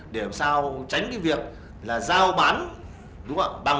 để làm sao tránh việc giao bán bằng lái xe giao bán trên mạng